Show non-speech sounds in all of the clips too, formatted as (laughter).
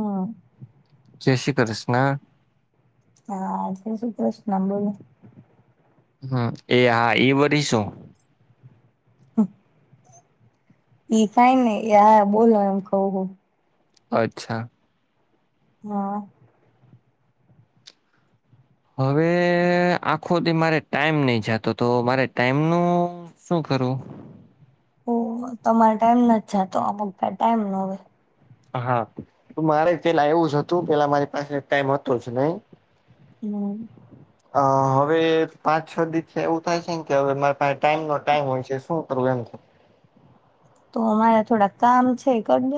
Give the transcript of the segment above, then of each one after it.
હમ જય શ્રી કૃષ્ણ. હા સુું પ્રશ્ન બને. હમ એ હા એ વર શો. હા. ઈ કઈ ને હા બોલો એમ ક. અચ્છા. હા. હવે આખો દી મારે ટાઈમ નહી જતો તો મારે ટાઈમ ન. શું કરું ઓ તમારે ટાઈમ નથી જતો આ પ ટાઈમ ના હોવે હા મારે પેલા એવું જ હતું પેલા મારી પાસે ટાઈમ હતો જ નઈ હમ અ હવે પાંચ છ દિવસ એવું થાય છે ને કે હવે મારે પાસે ટાઈમ નો ટાઈમ હોય છે શું કરવું એમ થ તો અમારા થોડા કામ છે કરી દેને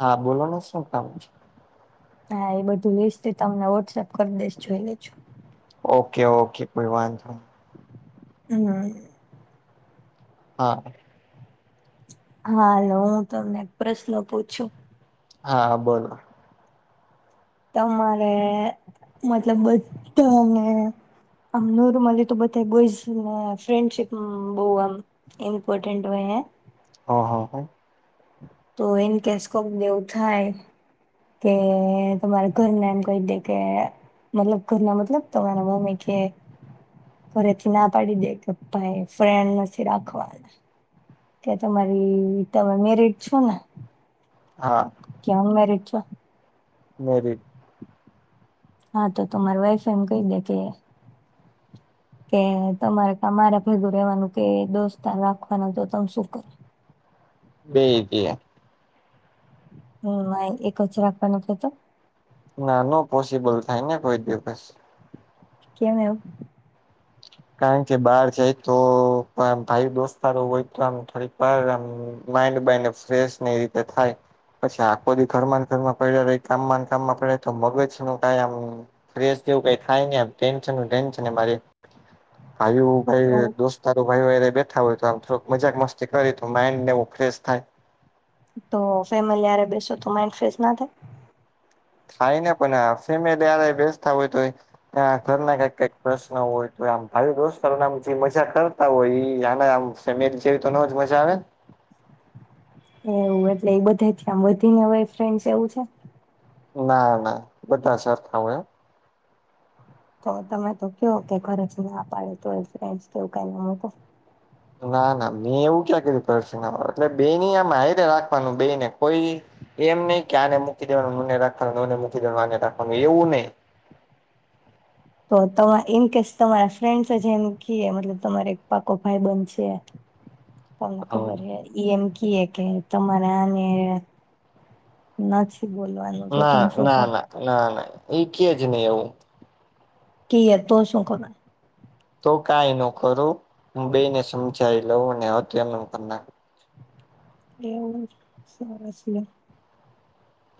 હા બોલો ન શું કામ છે હા એ બધું લિસ્ટ તમને વોટ્સઅપ કરી દઈશ જોઈ લેજો ઓકે ઓકે કોઈ વાંધો હા હા હાાલ હું તમને પ્રશ્ન પૂછું હા હબોનું તમારે મતલબ બધાને આમ ન રમલી તો બધ બોયઝને ફ્રેન્ડશીપ બહ આમ મપોર્ટેન્ટ ભ એ હ હ હ તો એને કેસકો દવું થાય કે તમારે ઘરને એમ કઈ દ કે મતલબ કરના મતલબ તમારા મમે ક ઘરેથી ના પાડી દે કે્પા એ ફ્રેન્ડ નથી રાખવા કે તમારી તમે મેરીડ છો ને? હા. કે અનમેરીડ છો? મેરીડ. હા તો તમાર વાઈફ એમ કઈ દે કે કે તમારે તમારા ભેગું રેવાનું કે દોસ્તાન રાખવાનું તો તમ શું કરો? બે ઈ તે. હમ્મ આઈ એક જ રાખવાનું કે તો? ના નો પોસિબલ થાય ને કોઈ દિવસ. કેમ એવું? કારણ કે બાર જાય તો આમ ભાઈ દોસ્તારો હોય તો આમ થોડીક વાર આમ માઇન્ડ બાઇન્ડને ફ્રેશ ને એ રીતે થાય. પછી આખો દી ઘર ન ઘરમાં પઈડા રહી કામ ને કામમાં પડ્યા તો મગજનું કઈ આમ ફેશ જેવું કઈ થાય ની આમ ટેન્શન ટેન્શન ને મારે ભાયું, ભાયું દો તારું ભાઈઓરે બેઠા હોય તો આમ થોડુક મજાક મસ્તી કરી તો માઇન્ડ ને એવું ફ્રેશ થાય. તો ફેમિલી હારે બેસો તો માઇન્ડ ફેશ ના થાય? થાય ને પણ ફેમિલી હારે બેસતા હોય તો એ ના ઘર ના કઈક કઈક પ્રશ્ન હોય તો આમ ભાઈયો દોસ્તારોને આમ જે મજા કર તા હોય ઈ આને આમ ફેમેલી જેવી તો નજ મજા આવે ને? એવું એટલે એ બધાઈથી આમ વધીને હોય ફ્રેન્ડસ એવું છે? ના ના, બધા સરખા હોય હ. તો તમે તો ક્યો કે ઘરે થી ના પાડે તોએ ફ્રેન્ડસ કેવું કઈ ના મુકો? ના ના મેં એવું ક્યાં કીધું ઘર શી ને પાડે એટલે બેની આમ હાઈરે રાખવાનું બે ને કોઈ એમ નહી કે આને મૂકી દેવાનું ને ઓને રાખવાનું ને ઓને મૂકી દેવાનું આને રાખવાનું એવું નહી. તો તમા ઇનકેસ તમારા ફ્રેન્ડ્સ અજ એમ કીએ મતલબ તમારે એક પાકો ભાઈબન છે હ તમને ખબર હે ઈ એમ કીએ કે તમારે આને નથી બોલવાનું. તો ના તમે શું કો ના ના ના ના એ કેજ ની એવું. કે તો શું કરવાનું? તો કાઈ ન કરું. હું બેને સમજાઈ લઉં ને હતું એમ નેમ કર નાખુ. એવું, સરસ લે.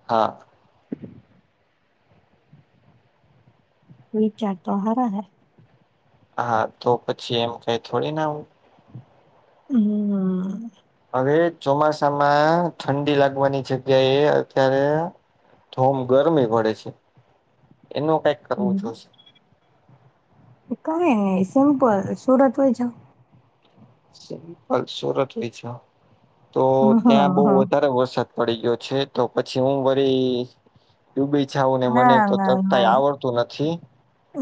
હા. વીચાર તો હારા હે. હા તો પછી એમ કાઈ થોડી ના આવું હમ્મ્મ. હવે ચોમાસામાં ઠંડી લાગવાની જગ્યાએ અત્યારે થોમ ગરમી પડે છે. એનું કાઈક હમ્મ હ, તે કાઈ ની સિમ્પલ, સુરત વઈ જાવ. સિમપલ સુરત લઇ જાવ. તો હ ત્યાં બબઉ હ વધારે વરસાદ પડી ગ્યો છે તો પછી હું વરી ડુબી જાવું ને મને ના તો ના તરતાય નઈ આવડતું નથી.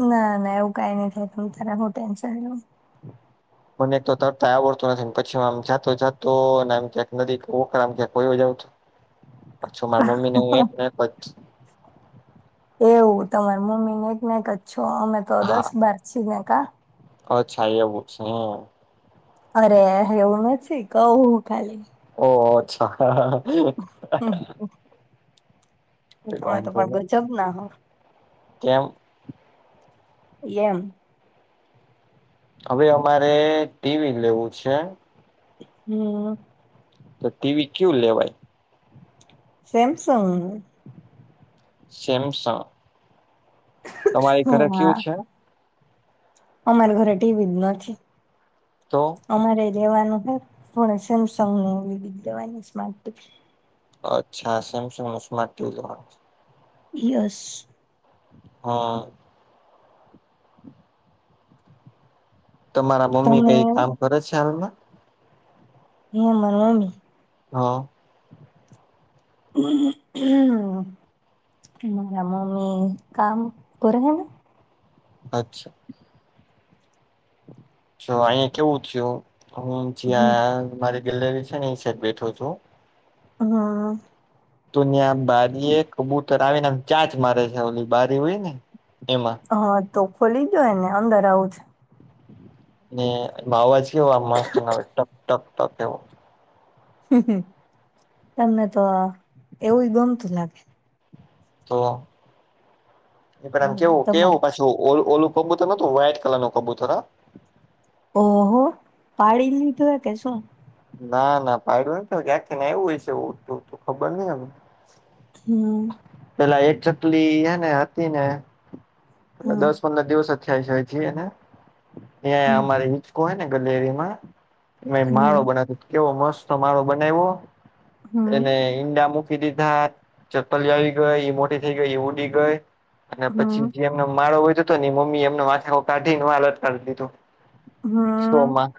ના ના એવું કઈ નહી થાય તમતારા હું ટેન્શન લ્યો. મને એક તો તરતા એ આવડતું નથી ને પછી હું આમ જાતો જાતો ને આમ ક્યાક નદી, વોકળામાં ક્યાક વયો જાઉં તો? પાછો મારા મમ્મી ને હું એક નો એક જ. એવું તમારે મમ્મી નો એક નો એક જ છો અમે તો હા દસ બાર છી ભાઈ કા? અચ્છા એવુ છે. અરે એવું નથી કવ ખાલી. ઓહો અચ્છા. હમ કોઈ અમે તો વાંધો પણ નહી ગજબ ના હો કેમ. ઇએમ હવે અમારે ટીવી લેવું છે. હમ્મ. તો ટીવી ક્યુ લેવાય. Samsung Samsung. તમારી ઘરે કયુ છે. અમારે ઘરે ટીવી જ નથી તો અમારે લેવાનું હોય પણ સેમસંગ ને એલીડી લેવાની સ્માર્ટ ટીવી. અચ્છા સેમસંગ ના સ્માર્ટ ટીવી લેવાની છે. યસ. હા. તો તમારા મમ્મી તમે કઈ કામ કરે છે હાલમાં. એયા મનો ની હા. (unintelligible) મારા મમ્મી કામ પરા હે ને. અચ્છા. જો અહીંયા કેવું થયું હું જ્યાં મારી ગેલેરી છે ને એ સાઇડ બેઠો છું. હા. તો ત્યાં બારી એ કબૂતર આવીને ચાંચ મારે છે ઓલી બારી હોય ને એમાં. હા તો ખોલી દેવ એને અંદર આવું છે. ને આવાજ કેવો આ મસ્ત ન આવે ટક ટક ટક એવો. હામ હામ તમને તો એવું ગમતું લાગે. તો એ પણ આમ હમ કેવું તમારે કેવું પછી જો ઓ ઓલું કબૂતર ન તો વ્હાઈટ કલર નું કબૂતર હા. ઓ હો પાડી લીધું કે શું. ના ના પાાયડું ન થી ક્યાંકથી ને એવું હોય છે ઉડતું ઉડતું ખબર નહીં આવે. હમ્મ. પેલા એક ચટલી હ ને હતી ને હમ દસ પંદર દિવસ જ થાય છે જીએ ને તં હમ અમારે હોને ગલેરીમાં માળો હમ બનાવ કેવો મસ્ત માળો બનાવો હમ એને ઈંડા મૂકી દીધા ચપ્પલી આવી ગઈ એ મોટી થઇ ગઈ એ ઉડી ગઈ. અને હમ પછી જે એમનો માળો હોય તો હતો ને મમ્મી એમને માથા કાઢીને હાલત કાઢી દીધો હમ્મ શોમાં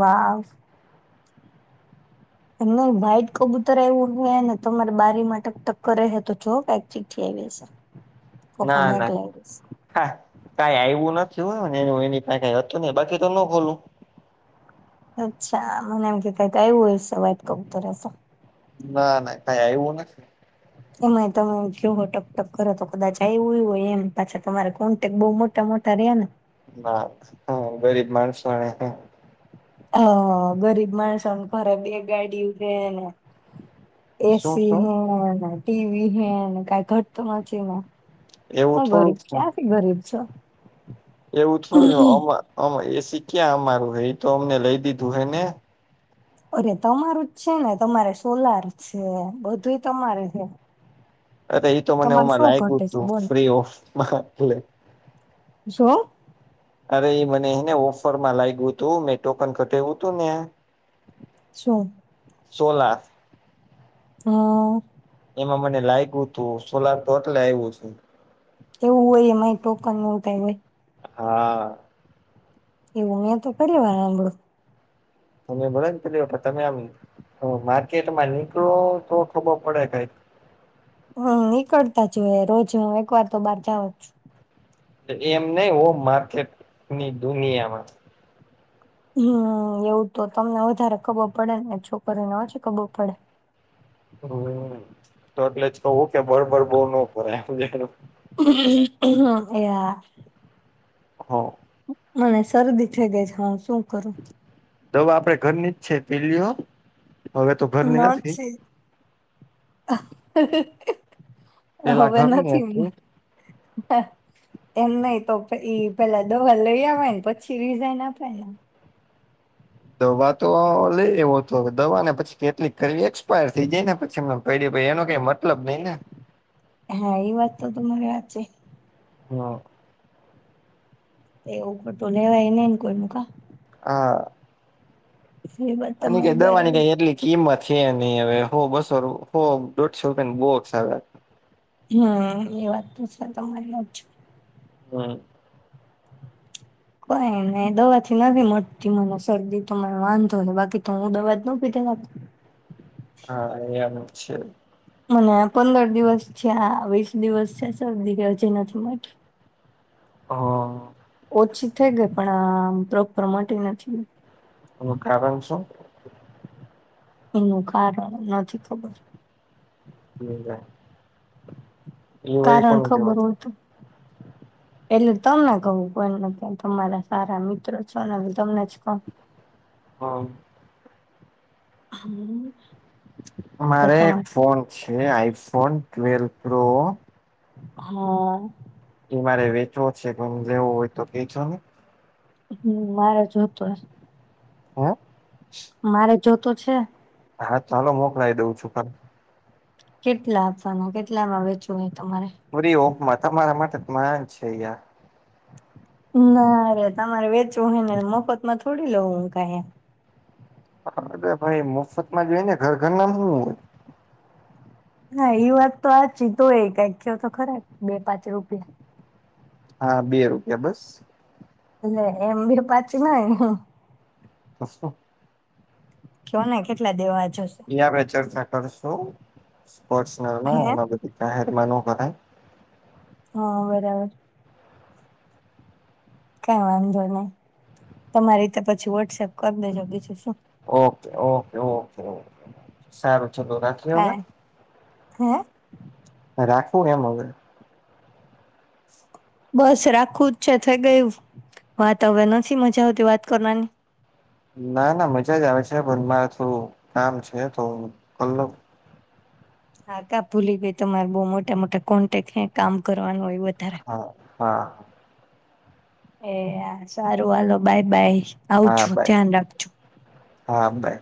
વાાવ એમને વ્હાઈટ કબૂતર આવું હોય ને તમારી બારી માટે ટક્કર રહે તો જો પક ચીક થી આવી હશે. કોકે ના ના મોકલાવી હશે હા કઈ આવું નથી હોય ને એ એ ક કઈ હતું ને બાકી તો ન ખોલું. અચ્છા મને એમ કે કક આવું હોય સ વાત ક તોસો ના ના કઈ આવું નથી. એમાં તમે જોવો ટકટક કરો તો કદાચ આવું હોય, એમ પાછા તમારે કોન્ટેક બહુ મોટા મોટા તરે્યા ના હ ગરીબ માણસો મળ હ ગરીબ માણસોને ખરે બે ગાડી ઉ છેને. શું એસી શું હે ટીવી હે કઈ ઘટતોું નથી. એવું હું ગરીબ થોડુંક છે. ક્યાંથી ગરીબ છ. એવું શું એસી ક્યાં અમારું હ એ તો અમને લઈ દીધું હે ને. અરે તમારું જ છે ને તમારે સોલાર છે બધું તમારું છે. અ એ તો તમારે મનેમાં શું લાયકું ઘટે જ છે તું ફ્રી ઓફ જોુ અરે એ મનેને ઓફર માં લાગ્યું હતું મેં ટોકન કટેું તું ને શું સો લખ હ એમાં મને લાગ્યું હતું સોલાર તો એટલે આવ્યું છે. કેવું એ મા ટોકન એું ક ભય હા એવું મેં તો કરંળુ તમે ભો ને પેલી તમે આમ માર્કેટમાં નીકળો તો ખબર પડે કાય. હમ નીકળતા જ હોય રોજ હ એક વાર તો બાર જાવ જ. એમ નહ હો માર્કેટ ની દુનિયામાં. હમ એવું તો તમને વધારે ખબર પડેને છોકરીને ઓછી ખબર પડે. હમ તો એટલે જ કવું કે બળબર બો ન પરાય. એયા. હા. અને શરદી થઈ ગઈ છે હું શું કરું. દવા આપડે ઘરની જ છે પીલીઓ. હવે તો ઘરની ના નથી છે હ અઅ. પેલા હવે ઘરની નથી હતી એ. એમ નહી તો ઈ પેલા દવા લઈ આવેય ને પછી રિઝાઈન આપે ને. દવા તો લઈ એવો તો હવે દવા ને પછી કેટલી કરવી એક્સપાયર થઈ જાય ને પછી. કઈે ભાઈ એનો કઈ મતલબ નઈ ને. હા એ વાત તો તમરે આ છે. હા. તે પટોલે હો એને કોઈનું કા. આ. એ વાત અને કે તમારી દવાની ક બરાબર એટલી. કિંમત છે નહી હવે હો બસો ર હો દોઢસો રૂપિયાને બોક્સ આવે હાં એ વાત તો સરી તમારી વાત હાચુ હા. કોઈ ને દવા થી નથી મળતી મને શરદી તો મને વાંધો ને બાકી તો હું દવા જ ન પીધે રાત્રે. હા એમ છે. મને પંદર દિવસ છે આ વીસ દિવસ છે શરદી કે હજી નથી મળતી. (inaudible) હા. ઓછી થઈ ગઈ પણ આમ પ્રોપર મટી નથી. હું કારણ શું. એનું કારણ નથી ખબર. (unintelligible) વરી કારણ કોની ખબર કહેવાત હોય તો એટલે તમને કહું કો નથી તમારા સારા મિત્રો છો ને તમને જ કહું. હા. હમ્મ. મારે એક ફોન છે આઈફોન ટ્વેલ પ્રો. હા. એ મારે વેચવો છે કે લેવો હોય તો કેજો ને. હમ્મ મારે જો તો હૈ. હા. મારે જો તો છે. હા ચાલો મોકલાઈ દઉં છું ખા કેટલા આપવાના, કેટલામાં વેચવું હોય તમારે? મોરી ઓપમા તમારા માટે માજ છે યાર. ના રે તમારે વેચવું હોય ને માર મફત માં થોડી લઉવ હું કા. હાટ ભાઈ મફત માં જોઈ ને ઘર ઘર નામવું હોય? હા એ વાત તો આ હાચી તો એ કંખ્યો તો ખરા બે પાંચ રૂપિયા. હા બે રૂપિયા બસ. એટલે એમ બી પાછી નાય હ. ત સું. કેને કેટલા દેવા જોઈ? એ આપે ચર્ચા કરશું હે પર્સનલમાં, આ બધ જાહેરમ ન કરાય. હા બરાબર. કઈ વાંધો નહી. તમારી તો પછી વોટ્સઅપ કરી દેજો બીજું શું. ઓકે ઓકે ઓકે ઓકે સારું ચલો રાખ. હા, હે? રાખવું એમ હવે. બસ રાખું જ છે થઈ ગયું, વાત હવે નથી મજા આવતી વાત કરવાની? ના ના મજા જ આવે છે પણ મારે થું કામ છે તો કરલવ. હા કા ભૂલી ગઈ તમારે બહ મોટા મોટા કોન્ટેક્ટ હે કામ કરવાનું હોય વધારે. હા હા. એ સારું હાલો બાય બાય, હા આવજો, બાય ધ્યાન રાખજો. હા બાઈ.